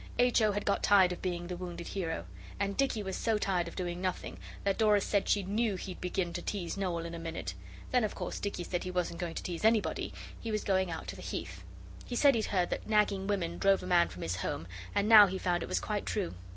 H. O. had got tired of being the wounded hero, and Dicky was so tired of doing nothing that Dora said she knew he'd begin to tease Noel in a minute; then of course Dicky said he wasn't going to tease anybody he was going out to the Heath. He said he'd heard that nagging women drove a man from his home, and now he found it was quite true.